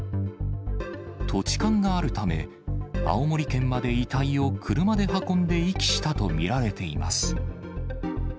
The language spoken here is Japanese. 土地勘があるため、青森県まで遺体を車で運んで遺棄したと見られています。